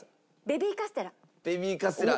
ベビーカステラ。